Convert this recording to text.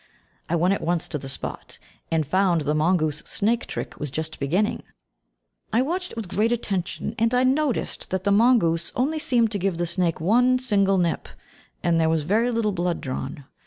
I went at once to the spot, and found the mongoose snake trick was just beginning. I watched it with great attention, and I noticed that the mongoose only seemed to give the snake one single nip, and there was very little blood drawn.